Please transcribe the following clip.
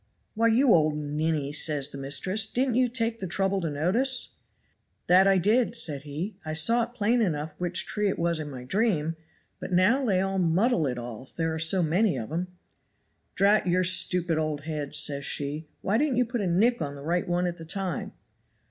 "'Why, you old ninny,' says the mistress, 'didn't you take the trouble to notice?' "'That I did,' said he; 'I saw plain enough which tree it was in my dream, but now they muddle it all, there are so many of 'em.' "'Drat your stupid old head,' says she, 'why didn't you put a nick on the right one at the time?'"